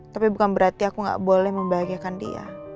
tapi bukan berarti aku gak boleh membahagiakan dia